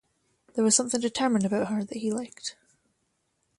There was something determined about her that he liked.